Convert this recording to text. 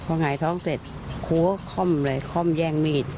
พอหงายท้องเสร็จครูก็ค่อมเลยค่อมแย่งมีด